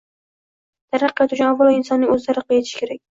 Taraqqiyot uchun, avvalo, insonning o‘zi taraqqiy etishi kerak